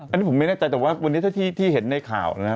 อันนี้ผมไม่แน่ใจแต่ว่าวันนี้เท่าที่เห็นในข่าวนะครับ